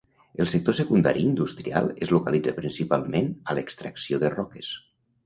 El sector secundari industrial es localitza principalment a l'extracció de roques.